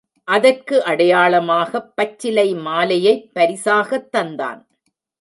அதற்கு அடையாளமாகப் பச்சிலை மாலையைப் பரிசாகத் தந்தான்.